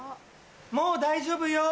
もう大丈夫よ。